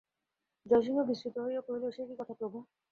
জয়সিংহ বিস্মিত হইয়া কহিলেন, সেকি কথা প্রভু!